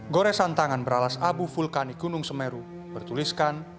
goresan tangan beralas abu vulkanik gunung semeru bertuliskan